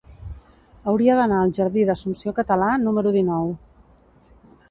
Hauria d'anar al jardí d'Assumpció Català número dinou.